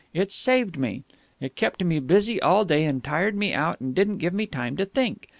It saved me. It kept me busy all day and tired me out and didn't give me time to think.